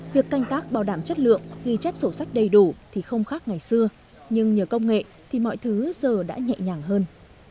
việc canh tác bảo đảm chất lượng ghi chép sổ sách đầy đủ thì không khác ngày xưa nhưng nhờ công nghệ thì mọi thứ giờ đã nhẹ nhàng hơn